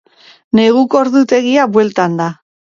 Neguko ordutegia bueltan da.